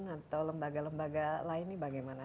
atau lembaga lembaga lain ini bagaimana